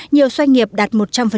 nhiều doanh nghiệp đạt một trăm linh